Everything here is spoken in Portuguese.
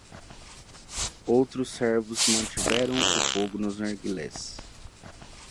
Outros servos mantiveram o fogo nos narguilés.